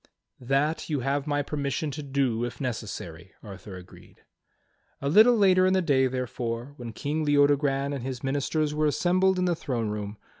"That you have my permission to do, if necessary," Arthur agreed. A little later in the day, therefore, when King Leodogran and his ministers were assembled in the throne room.